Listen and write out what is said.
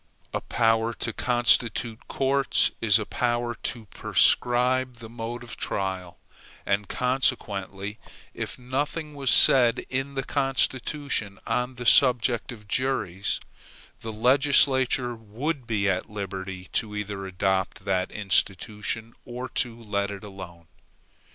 A power to constitute courts is a power to prescribe the mode of trial; and consequently, if nothing was said in the Constitution on the subject of juries, the legislature would be at liberty either to adopt that institution or to let it alone.